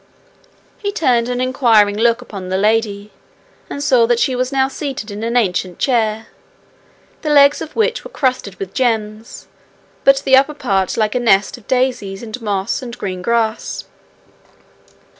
He turned an inquiring look upon the lady, and saw that she was now seated in an ancient chair, the legs of which were crusted with gems, but the upper part like a nest of daisies and moss and green grass.